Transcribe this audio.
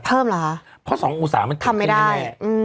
เพราะ๒อุตสาห์มันเจ็บขึ้นแน่